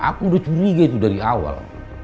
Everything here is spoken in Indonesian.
aku udah curiga itu dari awal